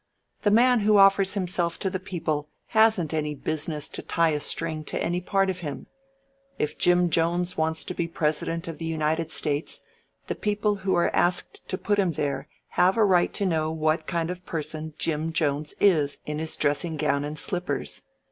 The man who offers himself to the people hasn't any business to tie a string to any part of him. If Jim Jones wants to be President of the United States the people who are asked to put him there have a right to know what kind of a person Jim Jones is in his dressing gown and slippers.